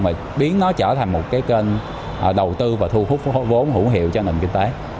mà biến nó trở thành một cái kênh đầu tư và thu hút vốn hữu hiệu cho nền kinh tế